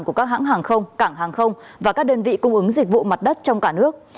của các hãng hàng không cảng hàng không và các đơn vị cung ứng dịch vụ mặt đất trong cả nước